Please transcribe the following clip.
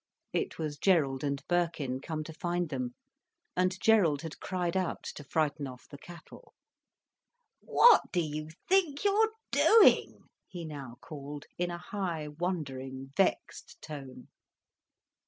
It was Gerald and Birkin come to find them, and Gerald had cried out to frighten off the cattle. "What do you think you're doing?" he now called, in a high, wondering vexed tone.